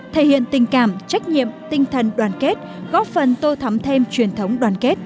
thể hiện tình cảm trách nhiệm tinh thần đoàn kết góp phần tô thắm thêm truyền thống đoàn kết